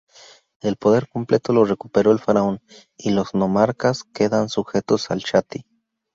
El poder completo lo recuperó el faraón, y los nomarcas quedan sujetos al chaty.